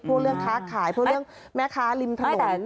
พูดเรื่องค้าขายพูดเรื่องแม่ค้าริมถนน